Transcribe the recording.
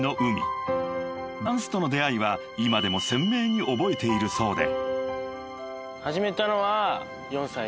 ［ダンスとの出合いは今でも鮮明に覚えているそうで］